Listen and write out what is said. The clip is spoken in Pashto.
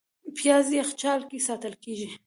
پیاز یخچال کې ساتل کېږي